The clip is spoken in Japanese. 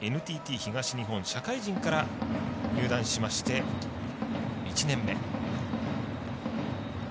ＮＴＴ東日本、社会人から入団しまして、１年目。